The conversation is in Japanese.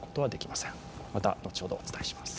また後ほどお伝えします。